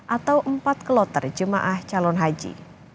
atau empat kloter jemaah calon haji